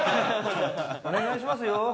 お願いしますよ。